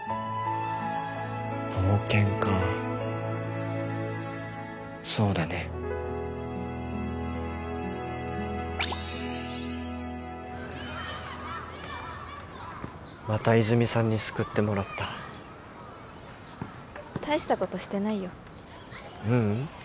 冒険かそうだねまた泉さんに救ってもらったたいしたことしてないよううん